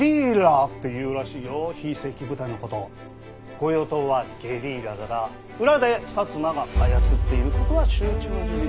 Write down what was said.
御用盗はゲリラだが裏で摩が操っていることは周知の事実。